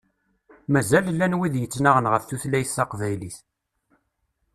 Mazal llan wid yettnaɣen ɣef tutlayt taqbaylit.